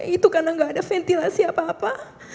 itu karena gak ada ventilasi apa apa